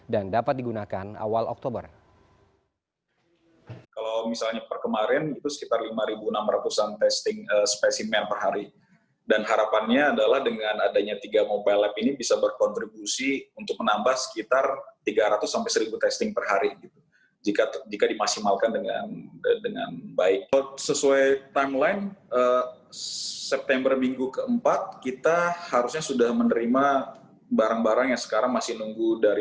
dan dapat digunakan awal oktober